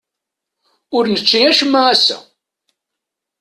Ur nečči acemma ass-a.